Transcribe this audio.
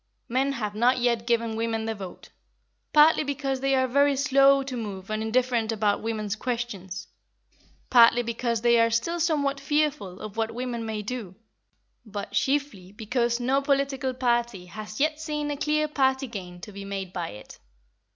Men have not yet given women the vote, partly because they are very slow to move and indifferent about women's questions; partly because they are still somewhat fearful of what women may do; but chiefly because no political party has yet seen a clear party gain to be made by it.